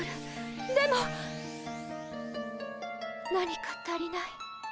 でも何か足りない。